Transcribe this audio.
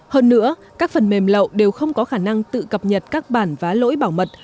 hơn nữa các phần mềm lậu đều không có khả năng tự cập nhật các bản vá lỗi bảo mật